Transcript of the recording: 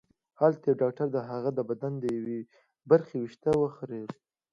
هلته یو ډاکټر د هغه د بدن د یوې برخې وېښته وخریل